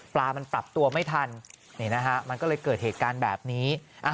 ปลามันปรับตัวไม่ทันมันก็เลยเกิดเหตุการณ์แบบนี้